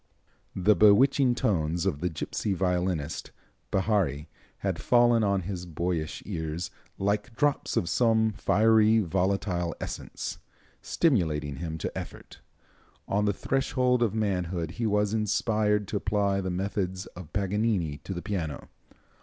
The bewitching tones of the gipsy violinist, Bihary, had fallen on his boyish ears "like drops of some fiery, volatile essence," stimulating him to effort. On the threshold of manhood he was inspired to apply the methods of Paganini to the piano.